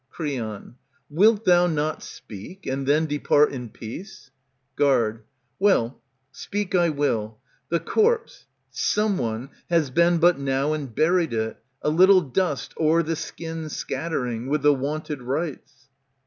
Creon, Wilt thou not speak, and then depart in peace? Guard. Well, speak I will. The corpse .. Some one has been But now and buried it, a little dust O'er the skin scattering, with the wonted rites.